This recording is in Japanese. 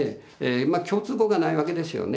共通語がないわけですよね。